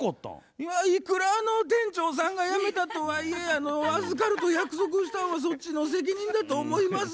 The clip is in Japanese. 「いくらあの店長さんが辞めたとはいえ預かると約束したんはそっちの責任だと思います。